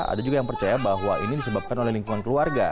ada juga yang percaya bahwa ini disebabkan oleh lingkungan keluarga